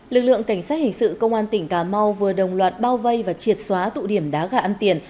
lực lượng cảnh sát hình sự công an tỉnh cà mau vừa đồng loạt bao vây và triệt xóa tụ điểm đá gà ăn tiền